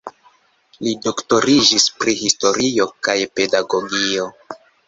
Li doktoriĝis pri historio kaj pedagogio.